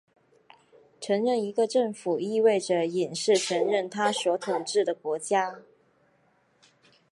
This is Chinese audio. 承认一个政府意味着隐式承认它所统治的国家。